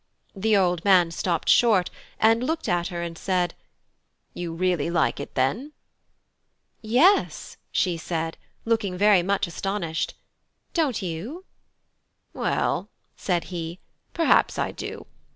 The old man stopped short, and looked at her and said: "You really like it then?" "Yes," she said, looking very much astonished, "Don't you?" "Well," said he, "perhaps I do.